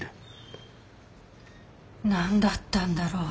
何だったんだろう。